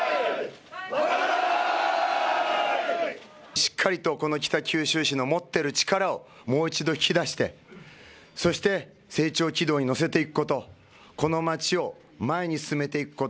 しっかりとこの北九州市の持ってる力をもう一度引き出してそして成長軌道に乗せていくことこの町を前に進めていくこと